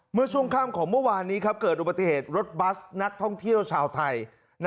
เมื่อช่วงค่ำของเมื่อวานนี้เกิดอุบัติเหตุรถบัสนักท่องเที่ยวชาวไทย